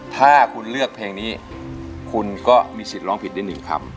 ถ้าคุณเลือกเพลงนี้คุณก็มีสิทธิ์ร้องผิดได้๑คำ